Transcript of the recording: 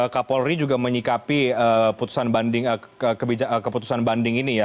kak polri juga menyikapi keputusan banding ini ya